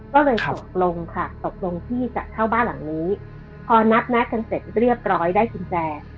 ก็เลยตกลงที่จะเข้าบ้านหลังนี้พอนัดแน็ตกันเสร็จเรียบร้อยได้กินแจ